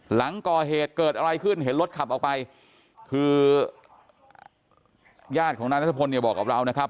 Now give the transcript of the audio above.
หลังก่อเหตุเกิดอะไรขึ้นเห็นรถขับออกไปคือญาติของนายนัทพลเนี่ยบอกกับเรานะครับ